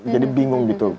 jadi bingung gitu